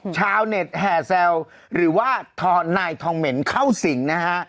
ชาวเน็ตแห่แซวหรือว่านายทองเหม็นเข้าสิงนะฮะ